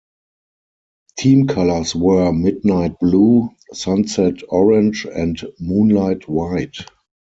Team colors were Midnight Blue, Sunset Orange, and Moonlight White.